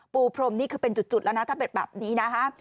ปูพรมนี่คือเป็นจุดแล้วนะถ้าเป็นแบบนี้นะฮะ